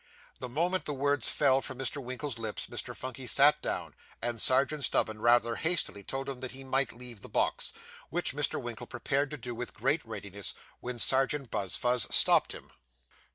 The moment the words fell from Mr. Winkle's lips, Mr. Phunky sat down, and Serjeant Snubbin rather hastily told him he might leave the box, which Mr. Winkle prepared to do with great readiness, when Serjeant Buzfuz stopped him.